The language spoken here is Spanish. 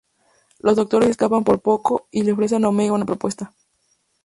Los Doctores escapan por poco, y le ofrecen a Omega una propuesta.